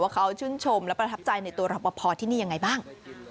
เขาชื่นชมและประทับใจในตัวรับประพอที่นี่ยังไงบ้าง